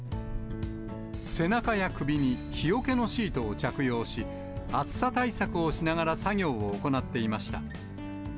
背中や首に日よけのシートを着用し、暑さ対策をしながら作業を行っていました。